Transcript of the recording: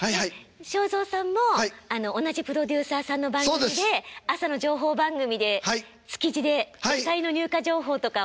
正蔵さんも同じプロデューサーさんの番組で朝の情報番組で築地で野菜の入荷情報とかを。